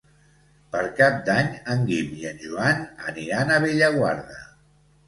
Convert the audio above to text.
Per Cap d'Any en Guim i en Joan aniran a Bellaguarda.